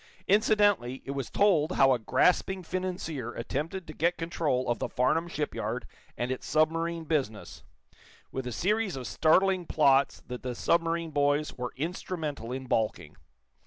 Incidentally, it was told how a grasping financier attempted to get control of the Farnum shipyard and its submarine business, with a series of startling plots that the submarine boys were instrumental in balking.